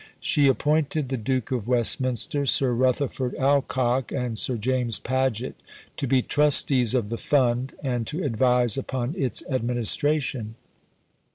She appointed the Duke of Westminster, Sir Rutherford Alcock, and Sir James Paget to be trustees of the Fund, and to advise upon its administration.